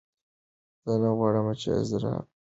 زه نه غواړم چې اضطراب زما ژوند خراب کړي.